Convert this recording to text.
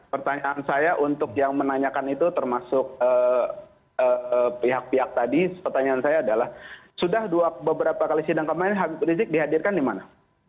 pertanyaan saya untuk yang menanyakan itu termasuk pihak pihak tadi pertanyaan saya adalah sudah beberapa kali sidang kemarin habib rizik dihadirkan di mana